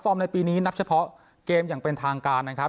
ในปีนี้นับเฉพาะเกมอย่างเป็นทางการนะครับ